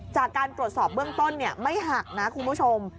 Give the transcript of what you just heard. จากการตรวจสอบเบื้องต้นไม่หักนะคุณผู้ชม